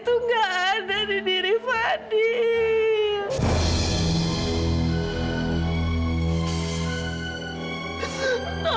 tuhan tidak ada di diri fadil